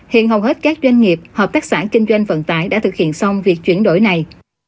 hiện hầu hết các doanh nghiệp hợp tác xã kinh doanh vận tải đã thực hiện xong việc chuyển đổi này